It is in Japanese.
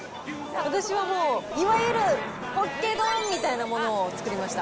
私はもう、いわゆるポケ丼みたいなものを作りました。